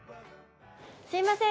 すみません